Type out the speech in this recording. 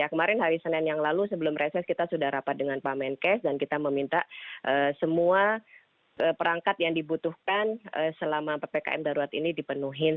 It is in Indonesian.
kemarin hari senin yang lalu sebelum reses kita sudah rapat dengan pak menkes dan kita meminta semua perangkat yang dibutuhkan selama ppkm darurat ini dipenuhi